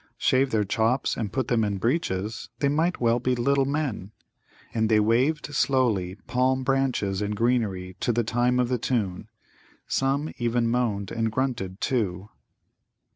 Shave their chops and put them in breeches, they might well be little men. And they waved slowly palm branches and greenery to the time of the tune; some even moaned and grunted, too.